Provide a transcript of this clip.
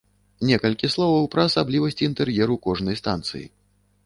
Некалькі словаў пра асаблівасці інтэр'еру кожнай станцыі.